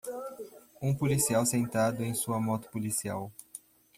Um policial sentado em sua moto policial.